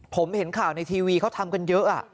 ผมเห็นข่าวในทีวีเขาทำกันเยอะ